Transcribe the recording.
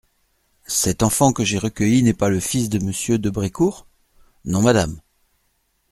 Cet enfant que j'ai recueilli n'est pas le fils de Monsieur de Brécourt ? Non, madame.